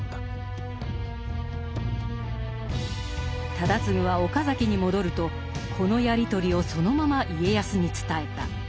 忠次は岡崎に戻るとこのやり取りをそのまま家康に伝えた。